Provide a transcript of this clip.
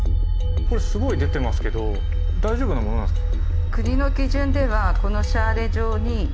これすごい出てますけど大丈夫なものなんですか？